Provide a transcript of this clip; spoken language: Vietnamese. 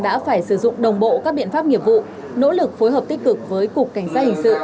đã phải sử dụng đồng bộ các biện pháp nghiệp vụ nỗ lực phối hợp tích cực với cục cảnh sát hình sự